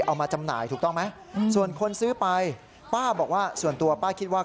เอามาจำหน่ายถูกต้องไหมส่วนคนซื้อไปป้าบอกว่าส่วนตัวป้าคิดว่า